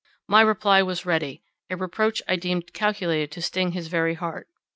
My reply was ready; a reproach I deemed calculated to sting his very heart.